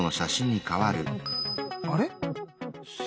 あれ？